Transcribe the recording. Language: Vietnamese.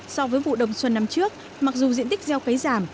so với vụ đông xuân năm trước mặc dù diện tích gieo cấy giảm